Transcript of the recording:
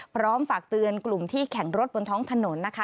พร้อมฝากเตือนกลุ่มที่แข่งรถบนท้องถนนนะคะ